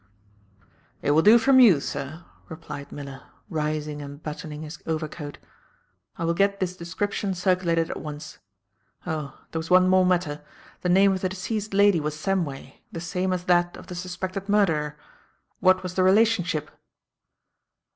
"It will do from you, sir," replied Miller, rising and buttoning his overcoat. "I will get this description circulated at once. Oh there was one more matter; the name of the deceased lady was Samway the same as that of the suspected murderer. What was the relationship?"